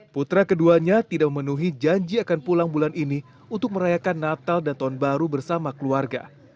putra keduanya tidak memenuhi janji akan pulang bulan ini untuk merayakan natal dan tahun baru bersama keluarga